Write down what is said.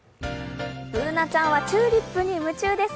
Ｂｏｏｎａちゃんはチューリップに夢中です。